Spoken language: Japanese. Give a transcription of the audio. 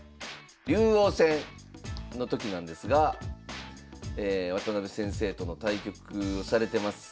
竜王戦の時なんですが渡辺先生との対局をされてます